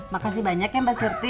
makasih banyak ya mbak sirti